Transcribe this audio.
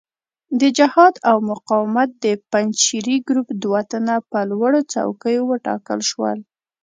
د جهاد او مقاومت د پنجشیري ګروپ دوه تنه په لوړو څوکیو وټاکل شول.